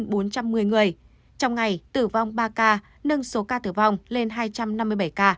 trong ngày tử vong ba ca nâng số ca tử vong lên hai trăm năm mươi bảy ca